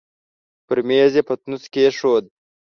پر مېز يې پتنوس کېښود.